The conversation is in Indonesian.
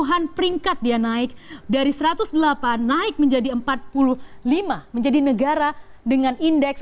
puluhan peringkat dia naik dari satu ratus delapan naik menjadi empat puluh lima menjadi negara dengan indeks